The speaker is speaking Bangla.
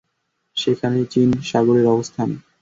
সেখানেই চীন সাগরের অবস্থান।